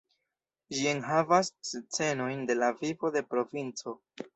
Ĝi enhavas scenojn de la vivo de provinco.